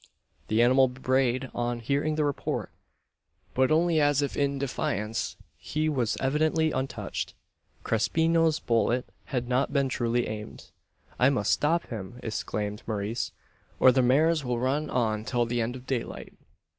The animal brayed on hearing the report; but only as if in defiance. He was evidently untouched. Crespino's bullet had not been truly aimed. "I must stop him!" exclaimed Maurice, "or the mares will run on till the end of daylight."